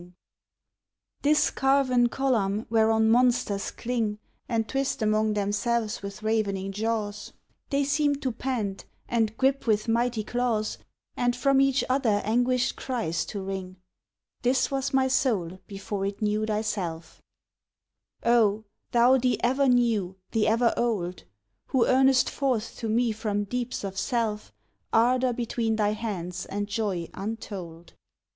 III This carven column whereon monsters cling And twist among themselves with ravening jaws, They seem to pant, and grip with mighty claws, And from each other anguished cries to wring This was my soul before it knew thyself, Oh, thou the ever new, the ever old! Who earnest forth to me from deeps of self Ardour between thy hands and joy untold.